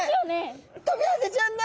トビハゼちゃんだ！